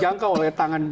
yang ke oleh tangan